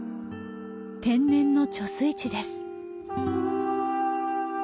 天然の貯水池です。